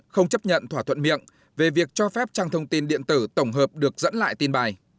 không chấp nhận thỏa thuận miệng về việc cho phép trang thông tin điện tử tổng hợp được dẫn lại tin bài